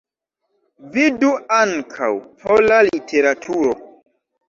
Vidu ankaŭ: Pola literaturo.